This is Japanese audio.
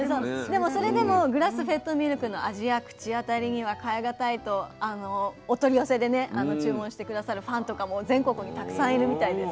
それでもグラスフェッドミルクの味や口当たりには代え難いとお取り寄せでね注文して下さるファンとかも全国にたくさんいるみたいです。